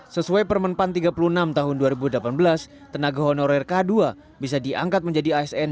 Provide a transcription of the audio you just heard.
sesuai permen pan tiga puluh enam tahun dua ribu delapan belas tenaga honorer k dua bisa diangkat menjadi asn